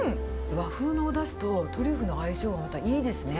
和風のおだしとトリュフの相性がまたいいですね。